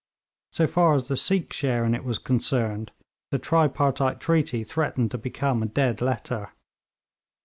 So far as the Sikh share in it was concerned, the tripartite treaty threatened to become a dead letter.